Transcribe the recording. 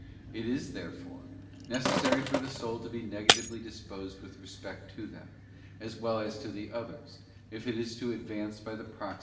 It is, therefore, necessary for the soul to be negatively disposed with respect to them, as well as to the others, if it is to advance by the proximate means, * 8.